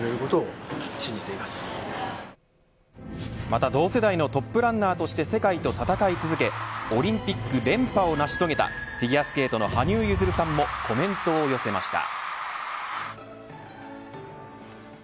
また、同世代のトップランナーとして世界と戦い続けオリンピック連覇を成し遂げたフィギュアスケートの羽生結弦さんもコメントを寄せました。